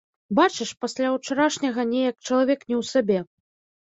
Бачыш, пасля ўчарашняга неяк чалавек не ў сабе.